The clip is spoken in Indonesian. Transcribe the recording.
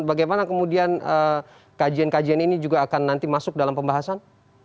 bagaimana kemudian kajian kajian ini juga akan nanti masuk dalam pembahasan